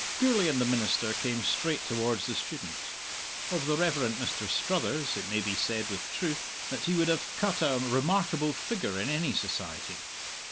Gourlay and the minister came straight towards the student. Of the Rev. Mr. Struthers it may be said with truth that he would have cut a remarkable figure in any society.